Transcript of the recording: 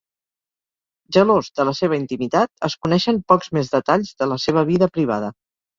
Gelós de la seva intimitat, es coneixen pocs més detalls de la seva vida privada.